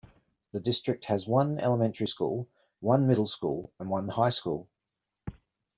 The district has one elementary school, one middle school and one high school.